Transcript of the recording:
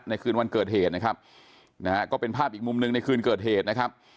คืนวันเกิดเหตุนะครับนะฮะก็เป็นภาพอีกมุมหนึ่งในคืนเกิดเหตุนะครับ